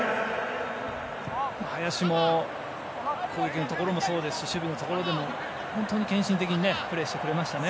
林も攻撃のところもそうですし守備のところでも本当に献身的にプレーしてくれましたね。